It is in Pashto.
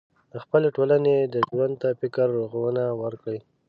د خپلې ټولنې ژوند ته فکري روغونه ورکړي.